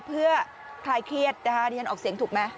เพื่อคลายเครียดนะคะดิฉันออกเสียงถูกไหม